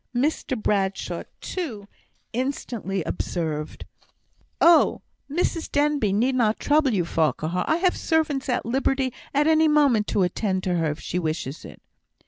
Mr Bradshaw, too, instantly observed: "Oh! Mrs Denbigh need not trouble you, Farquhar. I have servants at liberty at any moment to attend on her, if she wishes it."